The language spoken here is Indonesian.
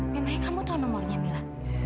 memang kamu tahu nomornya mila